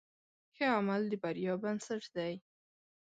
ښه عمل د بریا بنسټ دی.